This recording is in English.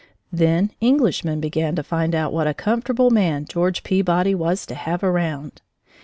Then Englishmen began to find out what a comfortable man George Peabody was to have round.